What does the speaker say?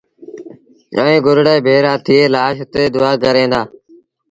ائيٚݩ گُرڙي ڀيڙآ ٿئي لآش تي دئآ ڪريݩ دآ